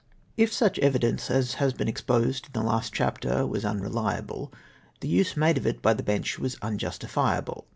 If such evidence as has been exposed in the last chap ter was unrehable, the use made of it by the Bench was unjustifiable.